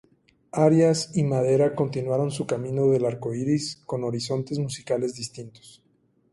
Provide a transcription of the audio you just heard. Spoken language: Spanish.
Arias y Madera continuaron su camino del arcoiris con horizontes musicales distintos.